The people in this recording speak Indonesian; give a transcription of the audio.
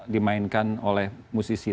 dimainkan oleh musisi